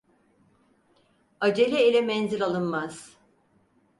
Acele ile menzil alınmaz.